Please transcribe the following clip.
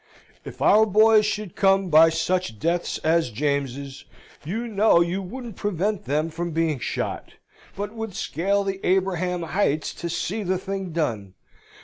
"If our boys could come by such deaths as James's, you know you wouldn't prevent them from being shot, but would scale the Abraham heights to see the thing done!